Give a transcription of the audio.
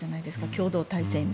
共同体制で。